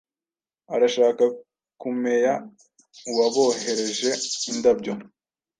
Arashaka kumea uwabohereje indabyo.